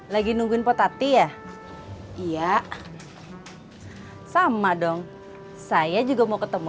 lagi nungguin potati ya iya sama dong saya juga mau ketemu